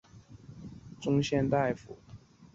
后为兵部主事加四级特授中宪大夫。